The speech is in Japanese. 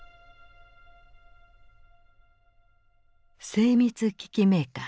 精密機器メーカー